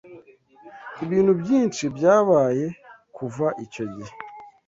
Ibintu byinshi byabaye kuva icyo gihe.